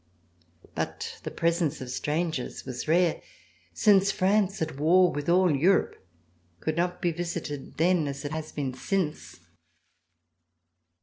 But the presence of strangers was rare, since France, at war with all Europe, could not be visited then as it has been since.